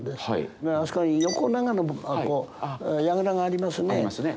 あそこに横長の櫓がありますね。ありますね。